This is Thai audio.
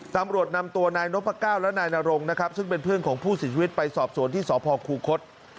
ตำรวจนำตัวนายนพก้าวและนายนรงนะครับซึ่งเป็นเพื่อนของผู้เสียชีวิตไปสอบสวนที่สพคูคศ